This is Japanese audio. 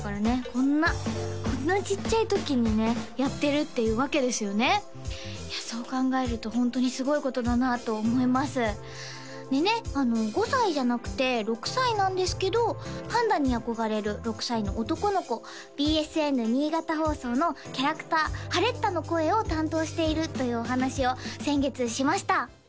こんなこんなちっちゃい時にねやってるっていうわけですよねそう考えるとホントにすごいことだなあと思いますでね５歳じゃなくて６歳なんですけどパンダに憧れる６歳の男の子ＢＳＮ新潟放送のキャラクターハレッタの声を担当しているというお話を先月しました